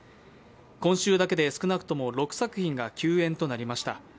今週だけで少なくとも６作品が休演となりました。